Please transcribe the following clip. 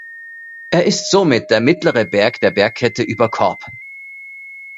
Er ist somit der mittlere Berg der Bergkette über Korb.